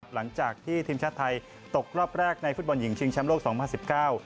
หลังจากที่ทีมชาติไทยตกรอบแรกในฟุตบอลหญิงชิงแชมป์โลกสองพันสิบเก้า